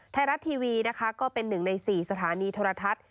ไทยรัฐทีวีนะคะก็เป็นหนึ่งใน๔สถานีโทรทัศน์